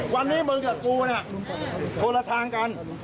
วันนี้มึงกับกูเนี่ยคนละทางกัน